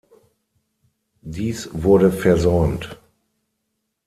Dies wurde versäumt.